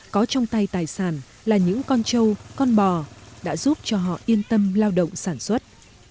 có trong tay tài sản là những con trâu con bò đã giúp cho họ yên tâm lao động sản xuất